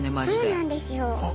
そうなんですよ。